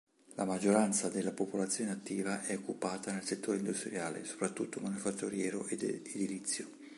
La maggioranza della popolazione attiva è occupata nel settore industriale, soprattutto manifatturiero ed edilizio.